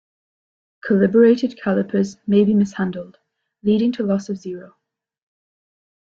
Calibrated calipers may be mishandled, leading to loss of zero.